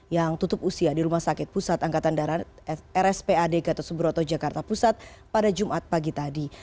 yang tutup usia di rumah sakit pusat angkatan darat rspad gatot subroto jakarta pusat pada jumat pagi tadi